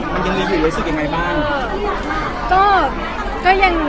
มันยังยืนอยู่ในสุดยังไงบ้าง